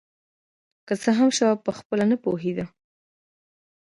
که څه هم شواب پخپله نه پوهېده.